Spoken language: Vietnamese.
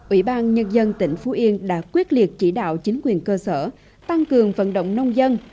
ủy ban nhân dân tỉnh phú yên đã quyết liệt chỉ đạo chính quyền cơ sở tăng cường vận động nông dân